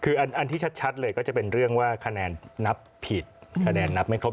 คืออันที่ชัดเลยก็จะเป็นเรื่องว่าคะแนนนับผิดคะแนนนับไม่ครบ